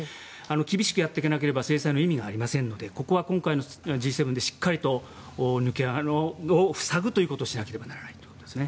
厳しくやっていかなければ制裁の意味がありませんのでここは今回のＧ７でしっかりと抜け穴を塞ぐということをしなければならないと思います。